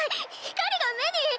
光が目に。